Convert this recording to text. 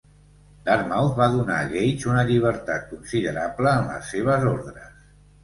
Dartmouth va donar a Gage una llibertat considerable en les seves ordres.